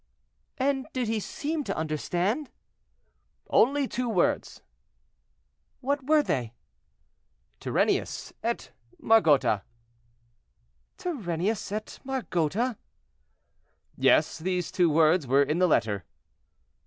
"And did he seem to understand?" "Only two words." "What were they?" "Turennius et Margota." "Turennius et Margota?" "Yes; those two words were in the letter."